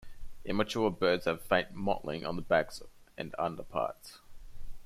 Immature birds have faint mottling on the back and underparts.